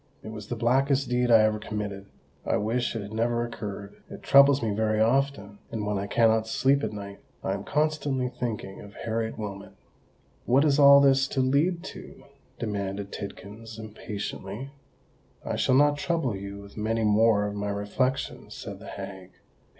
"It was the blackest deed I ever committed—I wish it had never occurred: it troubles me very often; and when I cannot sleep at night, I am constantly thinking of Harriet Wilmot." "What is all this to lead to?" demanded Tidkins, impatiently. "I shall not trouble you with many more of my reflections," said the hag.